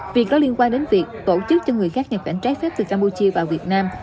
việc có liên quan đến việc tổ chức cho người khác nhập cảnh trái phép từ campuchia vào việt nam